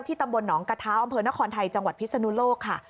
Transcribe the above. ตำบลหนองกระเท้าอำเภอนครไทยจังหวัดพิศนุโลกค่ะ